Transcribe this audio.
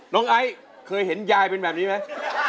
ไอซ์เคยเห็นยายเป็นแบบนี้ไหม